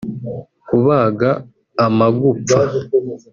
kubaga amagupfa